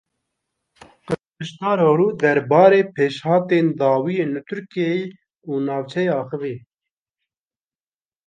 Kiliçdaroglu derbarê pêşhatên dawî yên li Tirkiyeyê û navçeyê axivî.